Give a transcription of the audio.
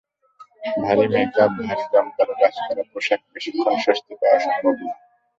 ভারী মেকআপ, ভারী জমকালো কাজ করা পোশাকে বেশিক্ষণ স্বস্তি পাওয়া সম্ভব না।